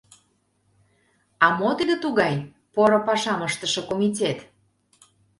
А мо тиде тугай — поро пашам ыштыше комитет?